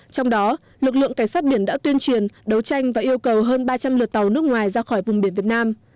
trong đó lực lượng cảnh sát biển đã tuyên truyền đấu tranh và yêu cầu hơn ba trăm linh lượt tàu nước ngoài ra khỏi vùng biển việt nam